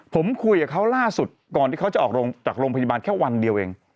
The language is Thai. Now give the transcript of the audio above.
ผมคุยกับเขาล่าสุดก่อนที่เขาจะออกจากโรงพยาบาลแค่วันเดียวเอง